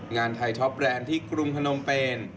งานไทยท็อปแรนด์ที่กรุงพนมเปน